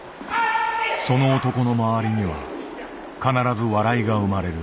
その男の周りには必ず笑いが生まれる。